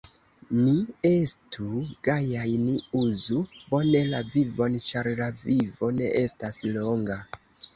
Ni estu gajaj, ni uzu bone la vivon, ĉar la vivo ne estas longa.